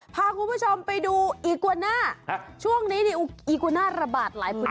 พาคุณผู้ชมไปดูอีกว่าหน้าช่วงนี้เนี่ยอีกว่าหน้าระบาดหลายคน